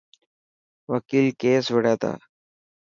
وڪيل ڪيس وڙي تا.